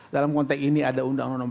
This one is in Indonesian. dalam konteks ini ada undang undang